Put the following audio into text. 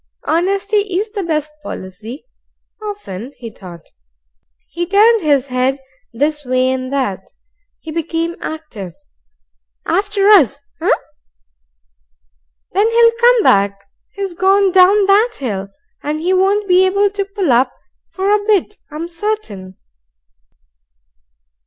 Honesty IS the best policy often, he thought. He turned his head this way and that. He became active. "After us, eigh? Then he'll come back. He's gone down that hill, and he won't be able to pull up for a bit, I'm certain."